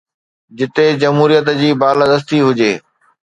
جتي جمهوريت جي بالادستي هجي.